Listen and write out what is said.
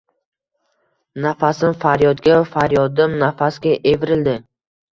Nafasim faryodga faryodim nafasga evrildi.